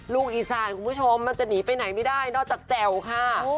ลูกอีสานคุณผู้ชมมันจะหนีไปไหนไม่ได้นอกจากแจ่วค่ะ